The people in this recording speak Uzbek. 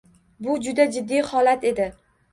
Bu juda jiddiy holat edi